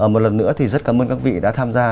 một lần nữa thì rất cảm ơn các vị đã tham gia